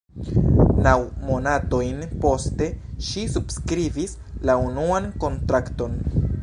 Naŭ monatojn poste, ŝi subskribis la unuan kontrakton.